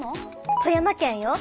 富山県よ。